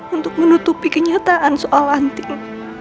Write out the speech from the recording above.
untuk menutupi kenyataan soal anting